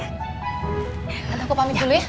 anak aku pamit dulu ya